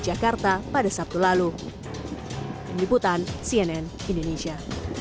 jakarta pada sabtu lalu meliputan cnn indonesia